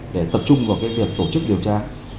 để tập trung vào việc tổ chức điều tra